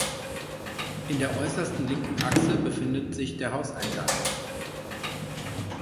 In der äußersten linken Achse befindet sich der Hauseingang.